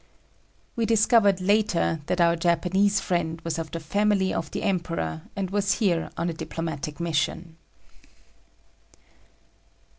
We discovered later that our Japanese friend was of the family of the Emperor and was here on a diplomatic mission.